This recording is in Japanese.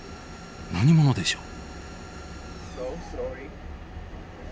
何者でしょう？